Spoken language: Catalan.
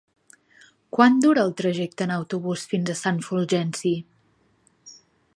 Quant dura el trajecte en autobús fins a Sant Fulgenci?